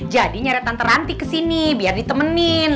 jadinya rete tante ranti ke sini biar ditemenin